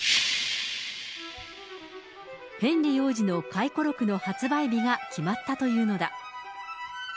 ヘンリー王子の回顧録の発売日が決まったというのだ。